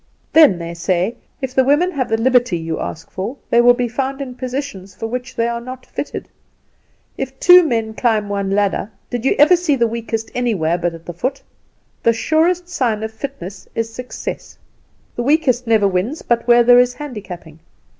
"Then they say, 'If the women have the liberty you ask for, they will be found in positions for which they are not fitted!' If two men climb one ladder, did you ever see the weakest anywhere but at the foot? The surest sign of fitness is success. The weakest never wins but where there is handicapping.